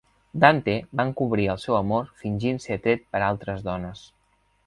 Dante va encobrir el seu amor fingint ser atret per altres dones.